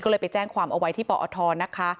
ก็เลยไปแจ้งความเอาไว้ที่ปอทนะคะ